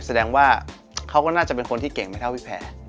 แสดงว่าเขาก็น่าจะเป็นคนที่เก่งไม่เท่าพี่แผ่